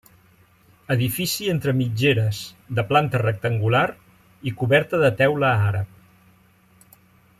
Edifici entre mitgeres, de planta rectangular i coberta de teula àrab.